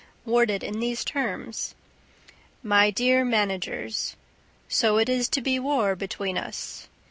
worded in these terms: MY DEAR MANAGERS: So it is to be war between us?